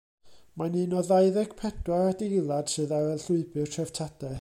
Mae'n un o ddau ddeg pedwar adeilad sydd ar y Llwybr Treftadaeth.